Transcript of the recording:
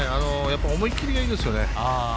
思い切りがいいですよね